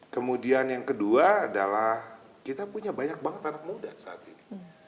kemudian yang kedua adalah kita punya banyak banget anak muda saat ini